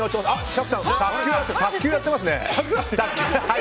釈さん、卓球やってますね。